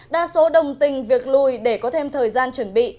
đa số đồng tình việc lùi để có thêm thời gian chuẩn bị